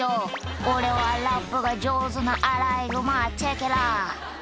俺はラップが上手なアライグマチェケラ」